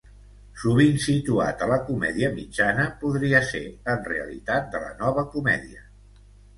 Sovint situat a la comèdia mitjana, podria ser en realitat de la nova comèdia.